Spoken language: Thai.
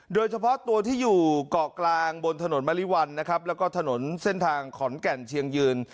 โดยเฉพาะตัวที่อยู่เกาะกลางบนถนนมริวัลนะครับแล้วก็ถนนเส้นทางขอนแก่นเชียงยืน